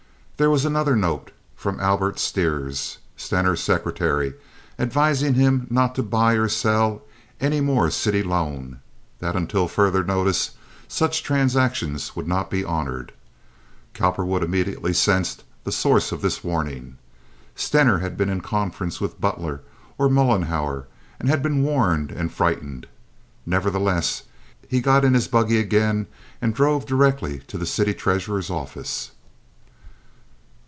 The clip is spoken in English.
There was another note, from Albert Stires, Stener's secretary, advising him not to buy or sell any more city loan—that until further notice such transactions would not be honored. Cowperwood immediately sensed the source of this warning. Stener had been in conference with Butler or Mollenhauer, and had been warned and frightened. Nevertheless, he got in his buggy again and drove directly to the city treasurer's office.